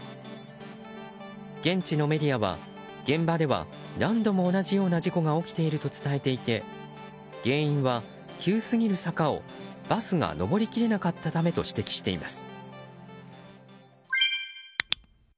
現地のメディアは、現場では何度も同じような事故が起きていると伝えていて原因は、急すぎる坂をバスが上りきれなかったためと指摘しています。